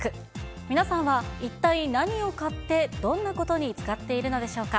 皆さんは一体何を買って、どんなことに使っているのでしょうか。